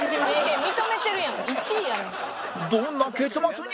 どんな結末に！？